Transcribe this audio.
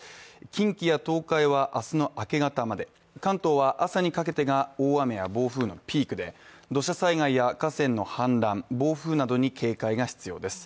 近畿や東海は明日の明け方まで、関東は朝にかけては大雨や暴風のピークで土砂災害や河川の氾濫暴風などに警戒が必要です。